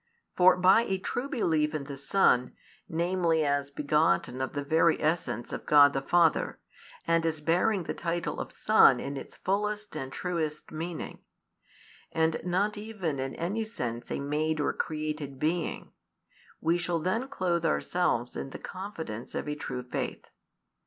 For by a true belief in the Son, namely as begotten of the very essence of God the Father, and as bearing the title of Son in its fullest and truest meaning, and not even in any sense a made or created being, we shall then clothe ourselves in the confidence of a true faith.